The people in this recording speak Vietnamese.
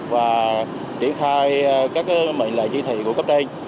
và triển khai các mệnh lệ chỉ thị của cấp trên